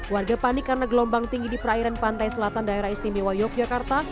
warga panik karena gelombang tinggi di perairan pantai selatan daerah istimewa yogyakarta